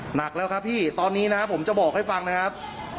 หนักแล้วครับพี่ตอนนี้นะครับผมจะบอกให้ฟังนะครับ